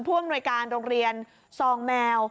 ภ่วงหน่วยการโรงเรียนทรองแมว